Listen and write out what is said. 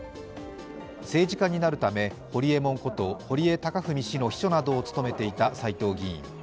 政治家になるためホリエモンこと堀江貴文氏の秘書などを務めていた斉藤議員。